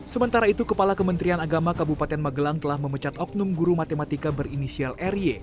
sementara itu kepala kementerian agama kabupaten magelang telah memecat oknum guru matematika berinisial ry